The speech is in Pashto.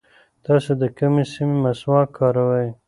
تاسو د کومې سیمې مسواک کاروئ؟